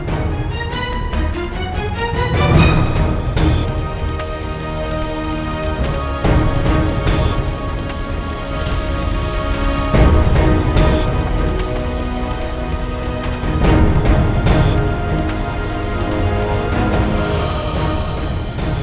aku harus bersyukur